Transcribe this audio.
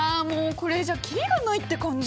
これじゃ切りがないって感じ！